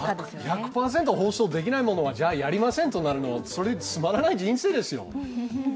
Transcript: １００％放送できないものはやりませんとなるのは、それ、つまらない人生ですよ。